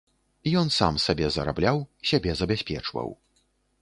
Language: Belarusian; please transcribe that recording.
Ён сам сабе зарабляў, сябе забяспечваў.